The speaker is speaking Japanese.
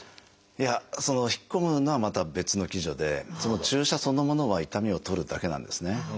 いや引っ込むのはまた別の機序で注射そのものは痛みを取るだけなんですね。